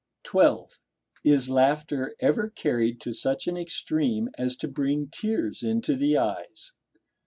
(12.) Is laughter ever carried to such an extreme as to bring tears into the eyes?